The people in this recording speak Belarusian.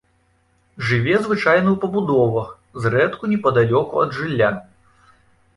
Жыве звычайна ў пабудовах, зрэдку непадалёку ад жылля.